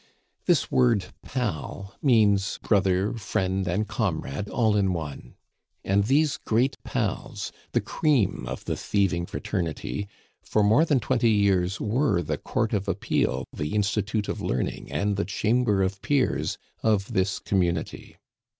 This word pal means brother, friend, and comrade all in one. And these "Great Pals," the cream of the thieving fraternity, for more than twenty years were the Court of Appeal, the Institute of Learning, and the Chamber of Peers of this community.